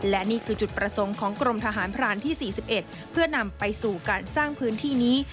และนี่คือจุดประสงค์ของกรมทหารพรานที่๔๑เพื่อนำไปสู่การสร้างพื้นที่นี้